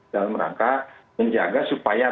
dalam rangka menjaga supaya